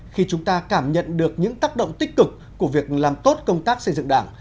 khi chúng ta cảm nhận được những tác động tích cực của việc làm tốt công tác xây dựng đảng